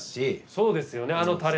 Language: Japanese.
そうですよねあのタレ。